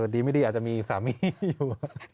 ดีไม่ดีอาจจะมีสามีอยู่